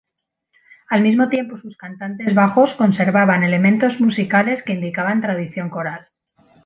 Al mismo tiempo sus cantantes bajos conservaban elementos musicales que indicaban tradición coral.